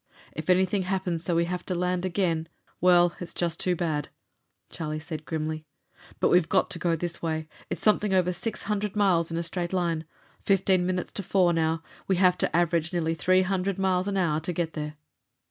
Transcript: "If anything happens so we have to land again well, it's just too bad," Charlie said grimly. "But we've got to go this way. It's something over six hundred miles in a straight line. Fifteen minutes to four, now. We have to average nearly three hundred miles an hour to get there."